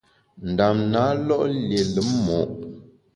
Ndam na lo’ lié lùm mo’.